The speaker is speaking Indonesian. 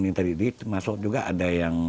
ini tadi masuk juga ada yang